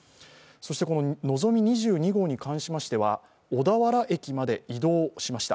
こののぞみ２２号に関しましては小田原駅まで移動しました。